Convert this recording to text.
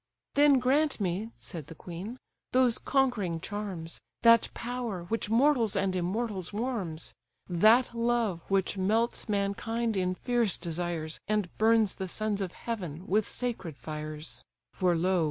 "Then grant me (said the queen) those conquering charms, That power, which mortals and immortals warms, That love, which melts mankind in fierce desires, And burns the sons of heaven with sacred fires! "For lo!